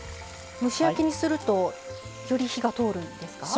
蒸し焼きにするとより火が通るんですか？